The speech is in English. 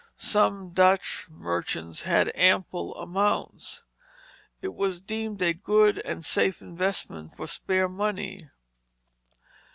Some Dutch merchants had ample amounts. It was deemed a good and safe investment for spare money.